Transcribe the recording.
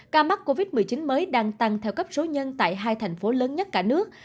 ca mắc covid một mươi chín mới đang tăng theo cấp số nhân tại hai thành phố lớn nhất cả nước